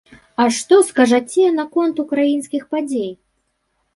А што скажаце наконт украінскіх падзей?